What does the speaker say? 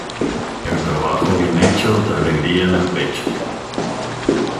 El trabajo bien hecho da alegría en el pecho.